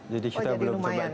jadi kita belum coba charge